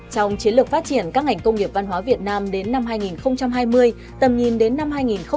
trong chiến lược phát triển các ngành công nghiệp văn hóa việt nam đến năm hai nghìn hai mươi tầm nhìn đến năm hai nghìn ba mươi